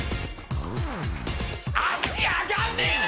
脚上がんねえな！